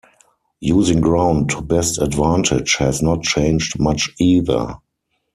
Using ground to best advantage has not changed much either.